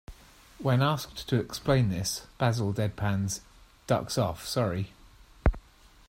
When asked to explain this, Basil deadpans, "Duck's off, sorry".